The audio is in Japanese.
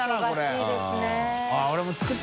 △いいですね。